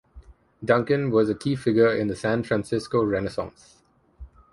Duncan was a key figure in the San Francisco Renaissance.